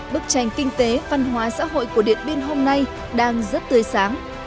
bức tranh kinh tế văn hóa xã hội của điện biên hôm nay đang rất tươi sáng